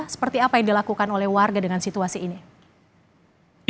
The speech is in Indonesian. seperti apa yang dilakukan oleh warga dengan situasi ini